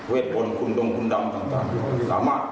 บนคุณดงคุณดำต่างสามารถ